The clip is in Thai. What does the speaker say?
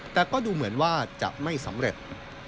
แต่ก็ดูเหมือนว่าจะไม่สำเร็จ